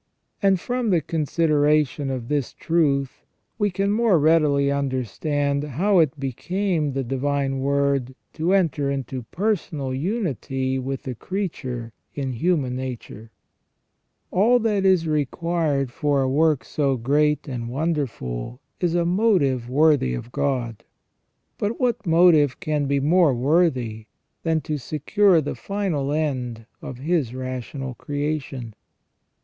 And from the consideration of this truth we can more readily understand how it became the Divine Word to enter into personal unity with the creature in human nature."* * S. Thoma, Sum. contra Gent., lib. iv., c. 42. 332 THE RESTORATION OF MAN. All that is required for a work so great and wonderful is a motive worthy of God. But what motive can be more worthy than to secure the final end of His rational creation